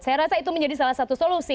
saya rasa itu menjadi salah satu solusi